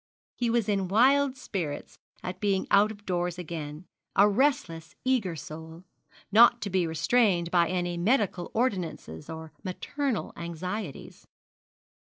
He was in wild spirits at being out of doors again, a restless eager soul, not to be restrained by any medical ordinances or maternal anxieties.